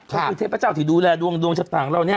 เขาคือเทพเจ้าที่ดูแลดวงชะตังเรานี่